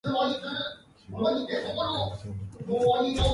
Nippert has earned a reputation as a tough place to play.